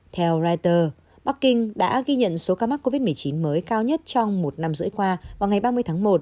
theo reuters bắc kinh đã ghi nhận số ca mắc covid một mươi chín mới cao nhất trong một năm rưỡi qua vào ngày ba mươi tháng một